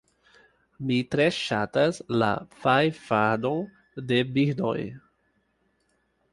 Mi tre ŝatas la fajfadon de birdoj.